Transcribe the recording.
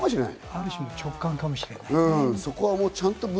ある種の直感かもしれない。